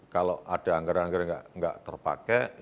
kalau ada anggaran anggaran yang nggak terpakai